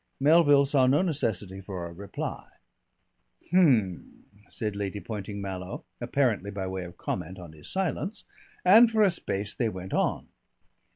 Melville saw no necessity for a reply. "H'm," said Lady Poynting Mallow, apparently by way of comment on his silence, and for a space they went on.